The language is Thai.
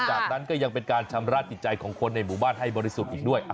จากนั้นก็ยังเป็นการชำระจิตใจของคนในหมู่บ้านให้บริสุทธิ์อีกด้วย